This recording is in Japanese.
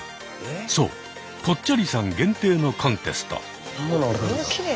そうぽっちゃりさん限定のコンテスト。